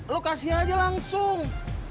lo kasih aja langsung